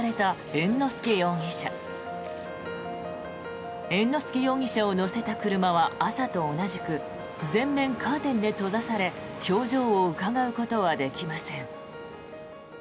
猿之助容疑者を乗せた車は朝と同じく全面カーテンで閉ざされ表情をうかがうことはできません。